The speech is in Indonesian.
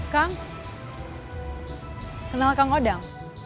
kang kenal kang odang